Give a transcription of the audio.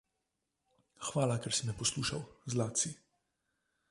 Hvala, ker si me poslušal. Zlat si.